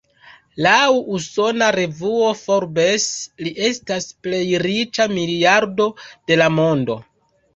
Laŭ usona revuo "Forbes", li estas plej riĉa miliardo de la mondo.